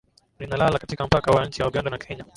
ina lala katika mpaka wa nchi ya uganda na kenya